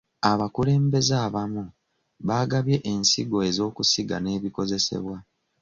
Abakulembezze abamu baagabye ensigo ez'okusiga n'ebikozesebwa.